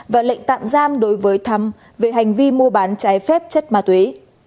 và lệnh tạm giam đối với thắm về hành vi mua bán trái phép chất ma túy